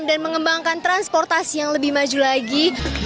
dan mengembangkan transportasi yang lebih maju lagi